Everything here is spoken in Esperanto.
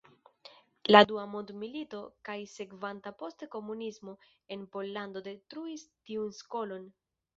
La dua mondmilito kaj sekvanta poste komunismo en Pollando detruis tiun skolon.